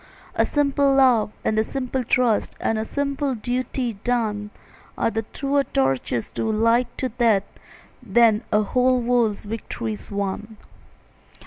A simple love and a simple trust And a simple duty done, Are truer torches to light to death Than a whole world's victories won.